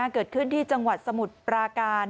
เกิดขึ้นที่จังหวัดสมุทรปราการ